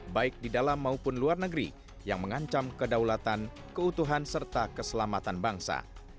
baik di dalam maupun luar negeri yang mengancam kedaulatan keutuhan serta keselamatan bangsa